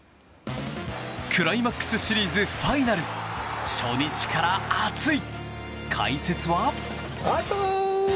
クライマックスシリーズファイナル、初日から熱い！